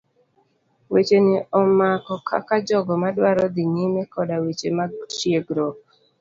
Wach ni omako kaka jogo madwaro dhi nyime koda weche mag tiegruok.